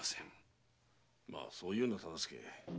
そう言うな忠相。